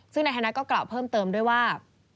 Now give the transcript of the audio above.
ซึ่งนายธนัดก็กล่าวเพิ่มเติมด้วยว่า